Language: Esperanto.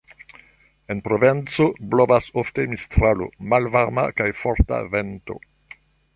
En Provenco blovas ofte Mistralo, malvarma kaj forta vento.